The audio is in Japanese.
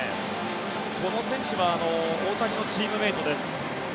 この選手は大谷のチームメートです。